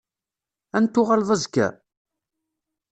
Ad n-tuɣaleḍ azekka?